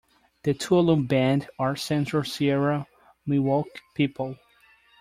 The Tuolumne Band are central Sierra Miwok people.